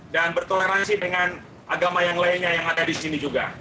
dan bertoleransi dengan agama yang lainnya yang ada di sini juga